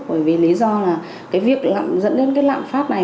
bởi vì lý do là việc dẫn đến lạm phát này